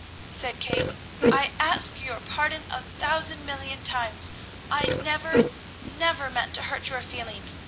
said Kate, "I ask your pardon a thousand, million times! I never, never meant to hurt your feelings!